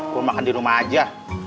gue makan di rumah aja